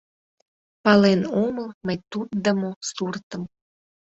Пален омыл мый туддымо суртым.